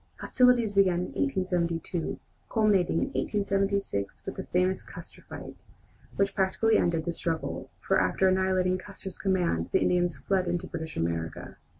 Hostilities began in 1872, culminating in 1876 with the famous "Custer fight," which practically ended the struggle, for after annihilating Custer's command the Indians fled into British America.